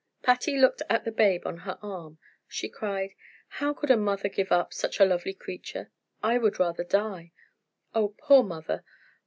Patty looked at the babe on her arm. She cried: "How could a mother give up such a lovely creature! I would rather die! Oh, poor mother!